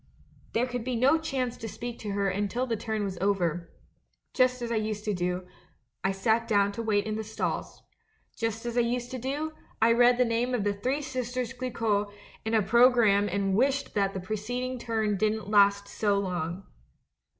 There could be no chance to speak to her A LETTER TO THE DUCHESS 19T until the turn was over, so — just as I used to do — I sat down to wait in the stalls. Just as I used to do, I read the name of 'The Three Sisters Chcquot' in a programme and wished that the preceding turn didn't last so long.